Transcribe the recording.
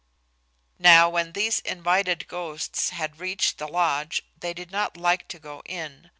Now when these invited ghosts had reached the lodge they did not like to go in.